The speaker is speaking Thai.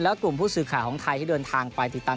และกลุ่มผู้สื่อข่าวของไทยที่เดินทางไปติดตาม